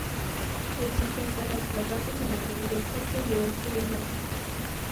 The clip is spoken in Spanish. Existen casas flotantes en las orillas este y oeste del lago.